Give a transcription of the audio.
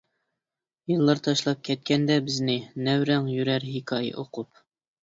يىللار تاشلاپ كەتكەندە بىزنى، نەۋرەڭ يۈرەر ھېكايە ئۇقۇپ.